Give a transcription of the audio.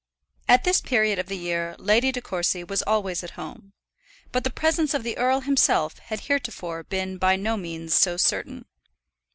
At this period of the year Lady De Courcy was always at home; but the presence of the earl himself had heretofore been by no means so certain.